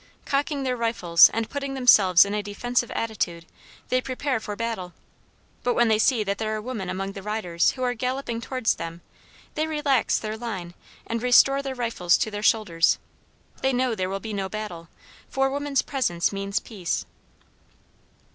Cocking their rifles and putting themselves in a defensive attitude, they prepare for battle. But when they see that there are women among the riders who are galloping towards them, they relax their line and restore their rifles to their shoulders. They know there will be no battle, for woman's presence means peace.